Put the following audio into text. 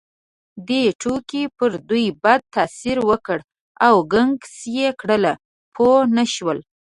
دې ټوکې پر دوی بد تاثیر وکړ او ګنګس یې کړل، پوه نه شول.